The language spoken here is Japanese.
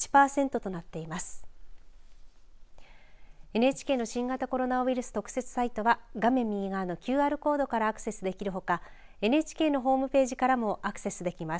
ＮＨＫの新型コロナウイルス特設サイトは画面右側のＱＲコードからアクセスできるほかＮＨＫのホームページからもアクセスできます。